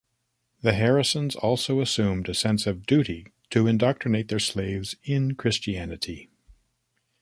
The Harrisons also assumed a sense of duty to indoctrinate their slaves in Christianity.